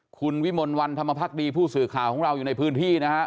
คุณวิมลวันธรรมพักดีผู้สื่อข่าวของเราอยู่ในพื้นที่นะฮะ